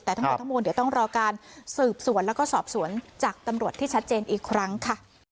แต่ทั้งหมดทั้งมวลเดี๋ยวต้องรอการสืบสวนแล้วก็สอบสวนจากตำรวจที่ชัดเจนอีกครั้งค่ะ